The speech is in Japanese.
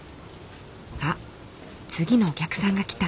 あっ次のお客さんが来た。